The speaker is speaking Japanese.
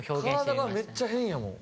体がめっちゃ変やもん。